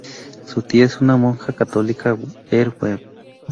Su tía es una monja católica ver web.